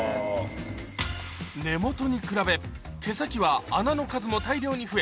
根本に比べ毛先は穴の数も大量に増え